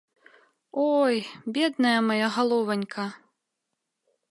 Ой, бедная мая галованька!